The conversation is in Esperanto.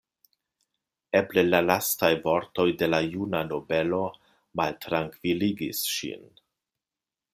Eble la lastaj vortoj de la juna nobelo maltrankviligis ŝin.